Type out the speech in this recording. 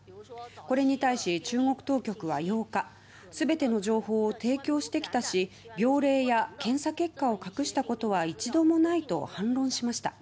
これに対し中国当局は８日全ての情報を提供してきたし病例や検査結果を隠したことは一度もないと反論しました。